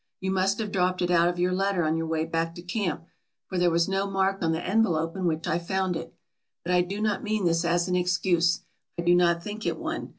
You must have dropped it out of your letter on your way back to camp, for there was no mark on the envelope in which I found it. But I do not mean this as an excuse, I do not think it one.